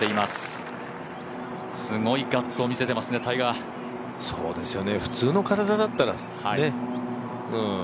すごいガッツを見せていますね、タイガー。